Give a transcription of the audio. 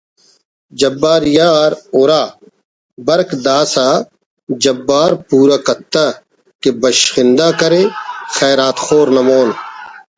جبار یار ہرا ”برک داسہ جبار پورا کتہ“ کہ ”بشخندہ“ کرے ”خیرات خور“ نا مون